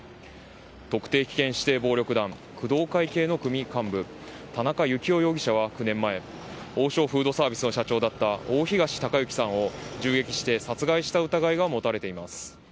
特定危険指定暴力団工藤会系の組幹部、田中幸雄容疑者は９年前、王将フードサービスの社長だった大東隆行さんを銃撃して殺害した疑いが持たれています。